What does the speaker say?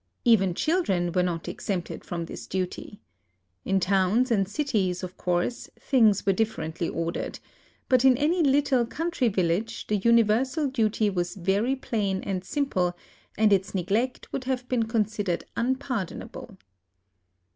Even children were not exempted from this duty. In towns and cities, of course, things were differently ordered; but in any little country village the universal duty was very plain and simple, and its neglect would have been considered unpardonable.